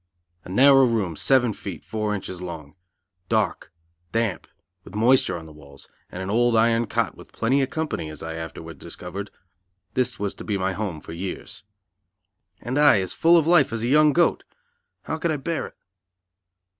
A narrow room, seven feet, four inches long; dark, damp, with moisture on the walls, and an old iron cot with plenty of company, as I afterwards discovered this was to be my home for years. And I as full of life as a young goat! How could I bear it?